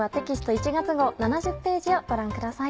１月号７０ページをご覧ください。